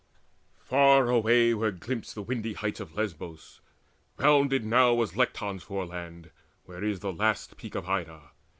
Far away were glimpsed The windy heights of Lesbos. Rounded now Was Lecton's foreland, where is the last peak Of Ida.